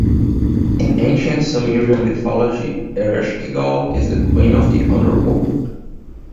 In ancient Sumerian mythology, Ereshkigal is the queen of the Underworld.